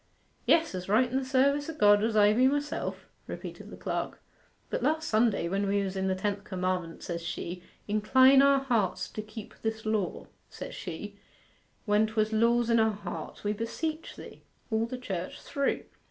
'Yes, as right in the service o' God as I be myself,' repeated the clerk. 'But last Sunday, when we were in the tenth commandment, says she, "Incline our hearts to keep this law," says she, when 'twas "Laws in our hearts, we beseech Thee," all the church through.